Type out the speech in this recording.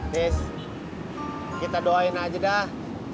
terus kita doain aja dah